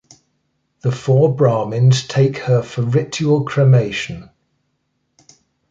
The four Brahmins take her for ritual cremation.